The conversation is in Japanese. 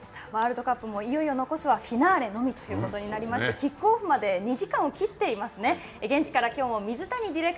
さあ、ワールドカップもいよいよ残すはフィナーレのみということになりましてキックオフまで２時間を切っていますね。